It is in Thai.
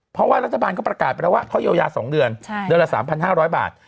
เพราะว่ารัฐบาลก็ประกาศไปแล้วว่าเขาเยียวยา๒เดือนเดือนละ๓๕๐๐บาท